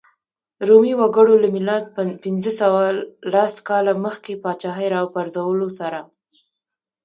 رومي وګړو له میلاد پنځه سوه لس کاله مخکې پاچاهۍ راپرځولو سره.